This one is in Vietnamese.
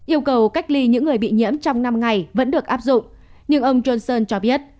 yêu cầu cách ly những người bị nhiễm trong năm ngày vẫn được áp dụng nhưng ông johnson cho biết